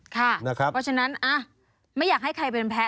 เพราะฉะนั้นไม่อยากให้ใครเป็นแพ้